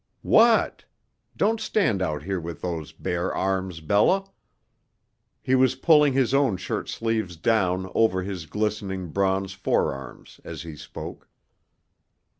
"What? Don't stand out here with those bare arms, Bella." He was pulling his own shirt sleeves down over his glistening bronze forearms as he spoke.